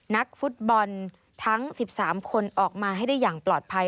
นักฟุตบอลทั้ง๑๓คนออกมาให้ได้อย่างปลอดภัย